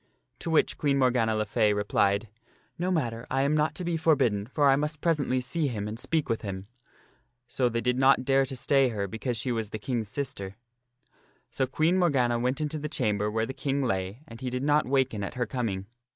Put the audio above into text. To the which Queen Morgana le Fay replied, " No matter, I am not to be forbidden, for I must presently see him and speak with him." So they did not dare to stay her because she was the King's sister. So Queen Morgana went into the chamber where the King lay and he did not waken at her coming.